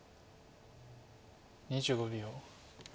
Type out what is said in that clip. ２５秒。